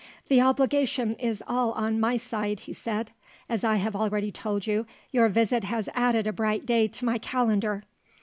"The obligation is all on my side," he said. "As I have already told you, your visit has added a bright day to my calendar.